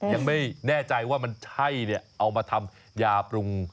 ยังไม่แน่ใจว่ามันใช่เนี่ยเอามาทำยาปรุง